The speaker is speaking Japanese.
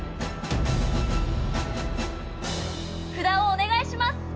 札をお願いします。